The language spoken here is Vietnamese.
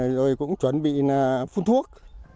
rồi cũng chuẩn bị phun thuốc